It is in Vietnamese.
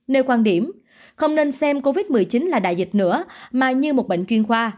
nêu quan điểm không nên xem covid một mươi chín là đại dịch nữa mà như một bệnh chuyên khoa